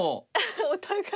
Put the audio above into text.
お互い。